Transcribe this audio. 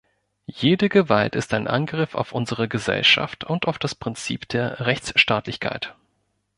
Jede Gewalt ist ein Angriff auf unsere Gesellschaft und auf das Prinzip der Rechtsstaatlichkeit.